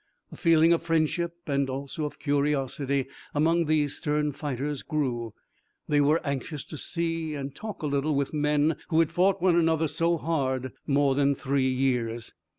The feeling of friendship and also of curiosity among these stern fighters grew. They were anxious to see and talk a little with men who had fought one another so hard more than three years.